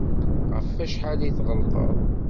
Ɣef wacḥal ay tɣellqeḍ?